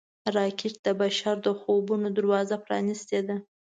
راکټ د بشر د خوبونو دروازه پرانیسته